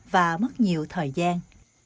và mất nhiều thời gian